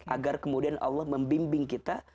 agar kemudian allah membimbing kita